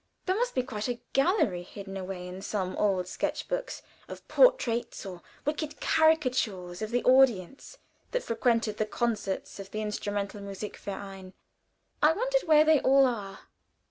There must be quite a gallery hidden away in some old sketch books of portraits or wicked caricatures of the audience that frequented the concerts of the Instrumental Musik Verein. I wonder where they all are?